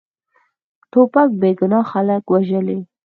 توپک بېګناه خلک وژلي.